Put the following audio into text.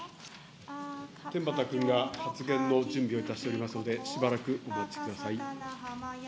天畠君が発言の準備をいたしておりますので、しばらくお待ちください。